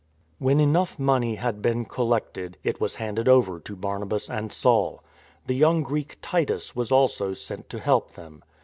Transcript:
When enough money had been collected, it was handed over to Barnabas and Saul. The young Greek Titus was also sent to help them.